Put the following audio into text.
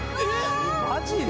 マジで！？